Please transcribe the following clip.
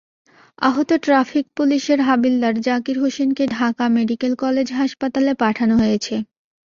আহত ট্রাফিক পুলিশের হাবিলদার জাকির হোসেনকে ঢাকা মেডিকেল কলেজ হাসপাতালে পাঠানো হয়েছে।